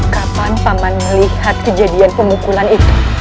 kapan paman melihat kejadian pemukulan itu